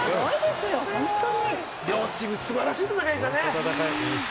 両チーム素晴らしい戦いでしたね。